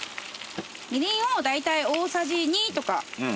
みりんをだいたい大さじ２とか。